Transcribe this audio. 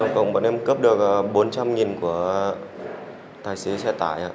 công bản em cấp được bốn trăm linh của tài xế xe tải